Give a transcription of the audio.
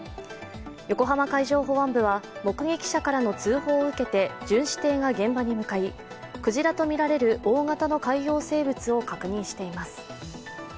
横浜海上保安部は目撃者からの通報を受けて巡視艇が現場に向かい、クジラとみられる大型の海洋生物を確認しています。